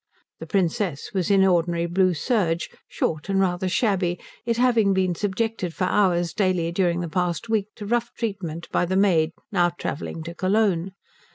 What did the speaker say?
The Princess was in ordinary blue serge, short and rather shabby, it having been subjected for hours daily during the past week to rough treatment by the maid now travelling to Cologne.